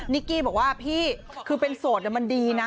กี้บอกว่าพี่คือเป็นโสดมันดีนะ